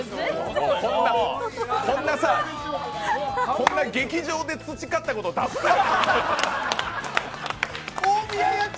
こんな劇場で培ったこと、出すなよ。